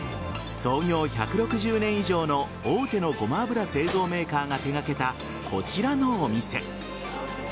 創業１６０年以上の大手のごま油製造メーカーが手がけたこちらのお店。